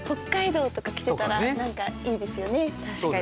確かに。